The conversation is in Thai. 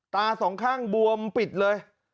ตาสองข้างบวมปิดเลย